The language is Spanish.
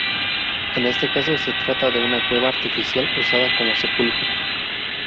En este caso se trata de una cueva artificial usada como sepulcro.